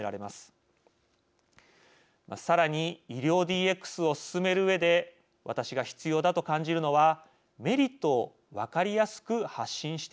さらに医療ＤＸを進めるうえで私が必要だと感じるのはメリットをわかりやすく発信していくという点です。